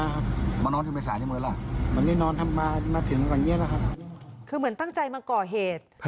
คือมันตั้งใจมันก่อเหตุ